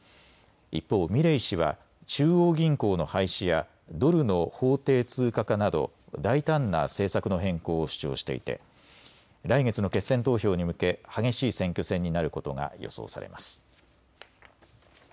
一方、ミレイ氏は中央銀行の廃止やドルの法定通貨化など大胆な政策の変更を主張していて来月の決選投票に向け激しい選挙戦になることが予想されます。